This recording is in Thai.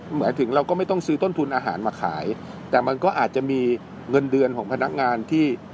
เหมือนถึงเราก็ไม่ต้องซื้อต้นทุนอาหารมาขายแต่มันก็อาจจะมีเงินเดือนของพนักงานที่